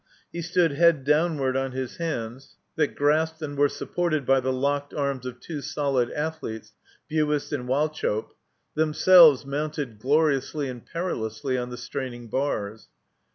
He stood head downward on his hands that grasped and were supported by the locked arms of two solid athletes, Buist and Wauchope, themselves mounted gloriously and perilously on the straining bars.